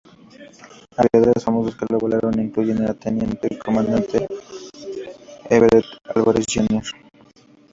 Aviadores famosos que lo volaron incluyen al Teniente Comandante Everett Álvarez Jr.